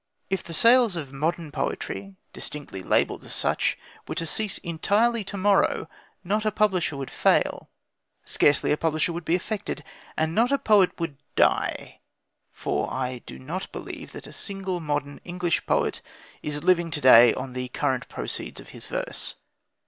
If the sales of modern poetry, distinctly labelled as such, were to cease entirely to morrow not a publisher would fail; scarcely a publisher would be affected; and not a poet would die for I do not believe that a single modern English poet is living to day on the current proceeds of his verse.